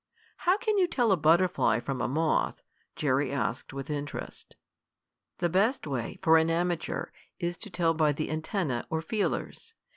"How can you tell a butterfly from a moth?" Jerry asked with interest. "The best way, for an amateur, is to tell by the antennæ, or feelers.